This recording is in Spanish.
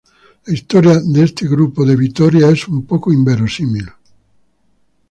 La historia de este grupo de Vitoria es un poco inverosímil.